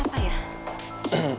sampai lagipula yer